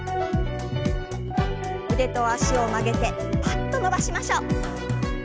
腕と脚を曲げてパッと伸ばしましょう。